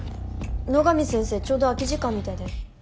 野上先生ちょうど空き時間みたいだよ。